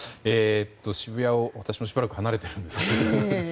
渋谷を私もしばらく離れているんですが。